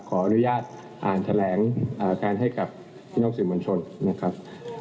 ขออนุญาตอ่านแถลงการให้กับพี่น้องสื่อมวลชนนะครับ